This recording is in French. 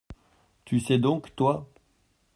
Tu sais donc, toi ?